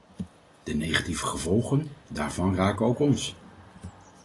De negatieve gevolgen daarvan raken ook ons.